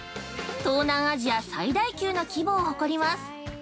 東南アジア最大級の規模を誇ります。